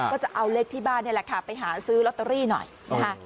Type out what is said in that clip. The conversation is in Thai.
ก็จะเอาเลขที่บ้านนี่แหละค่ะไปหาซื้อลอตเตอรี่หน่อยนะคะ